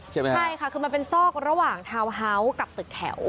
ใช่ไหมคะใช่ค่ะคือมันเป็นซอกระหว่างทาวน์ฮาส์กับตึกแถว